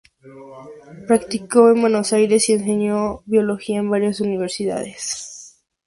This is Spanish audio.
Practicó en Buenos Aires y enseñó biología en varias universidades.